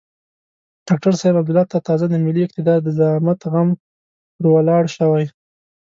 ډاکتر صاحب عبدالله ته تازه د ملي اقتدار د زعامت غم ور ولاړ شوی.